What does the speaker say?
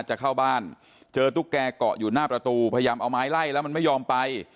จะเข้าบ้านเจอตุ๊กแกเกาะอยู่หน้าประตูพยายามเอาไม้ไล่แล้วมันไม่ยอมไป